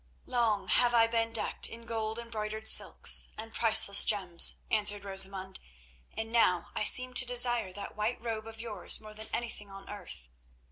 "Long have I been decked in gold embroidered silks and priceless gems," answered Rosamund, "and now I seem to desire that white robe of yours more than anything on earth."